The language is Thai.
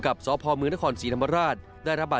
มีบัตรแผลที่ศีรษะ